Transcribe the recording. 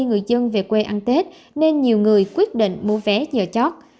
người dân về quê ăn tết nên nhiều người quyết định mua vé nhờ chót